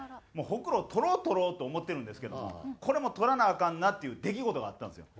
ホクロ取ろう取ろうと思ってるんですけどもこれはもう取らなアカンなっていう出来事があったんですよ。